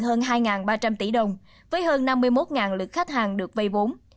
hơn hai ba trăm linh tỷ đồng với hơn năm mươi một lượt khách hàng được vay vốn